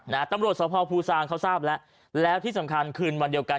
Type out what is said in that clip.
ตำรวจสภภูซางเขาทราบแล้วแล้วที่สำคัญคืนวันเดียวกัน